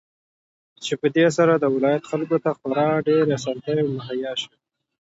چې په دې سره د ولايت خلكو ته خورا ډېرې اسانتياوې مهيا شوې.